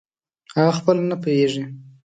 اغه خپله نه پییږي